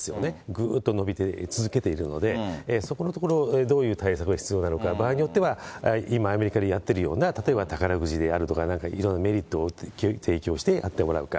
ぐーっと伸び続けているので、そこのところ、どういう対策が必要なのか、場合によって、今アメリカでやってるような、例えば宝くじであるとか、なんかいろんなメリットを提供してやってもらうか。